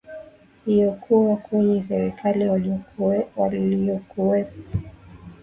iokuwa kwenye serikali waliokuwepo